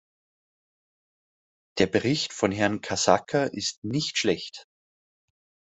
Der Bericht von Herrn Casaca ist nicht schlecht.